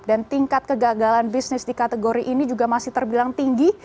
dan tingkat kegagalan bisnis di kategori ini juga masih terbilang tinggi